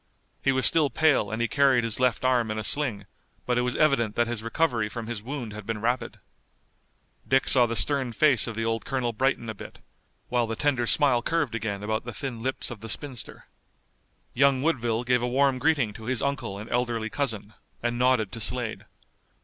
He was still pale and he carried his left arm in a sling, but it was evident that his recovery from his wound had been rapid. Dick saw the stern face of the old colonel brighten a bit, while the tender smile curved again about the thin lips of the spinster. Young Woodville gave a warm greeting to his uncle and elderly cousin, and nodded to Slade.